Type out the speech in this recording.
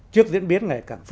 trước diễn biến ngày ba tháng một